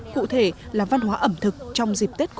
cụ thể là văn hóa ẩm thực trong dịp tết